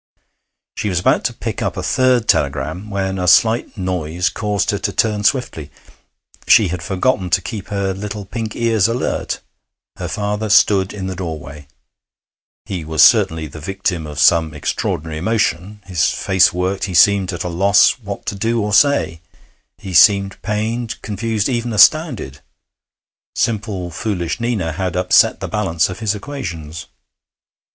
She was about to pick up a third telegram when a slight noise caused her to turn swiftly; she had forgotten to keep her little pink ears alert. Her father stood in the doorway. He was certainly the victim of some extraordinary emotion; his face worked; he seemed at a loss what to do or say; he seemed pained, confused, even astounded. Simple, foolish Nina had upset the balance of his equations.